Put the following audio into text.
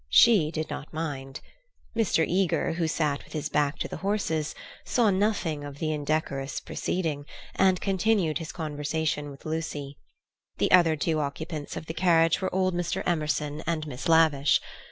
She did not mind. Mr. Eager, who sat with his back to the horses, saw nothing of the indecorous proceeding, and continued his conversation with Lucy. The other two occupants of the carriage were old Mr. Emerson and Miss Lavish.